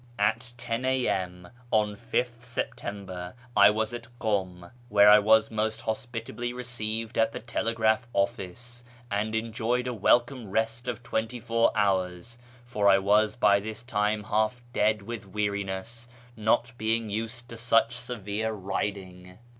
At 1 0 A.M. on 5th Sejjtember I was at Kum, where I was most hospitably FROM KIRMAN to ENGLAND 549 received at the telegraph office, and enjoyed a welcome rest of twenty four hours, for I was by this time half dead with weariness, not being used to such severe riding.